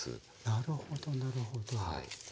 なるほどなるほど。ねえ。